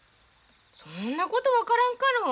そんなこと分からんかろ。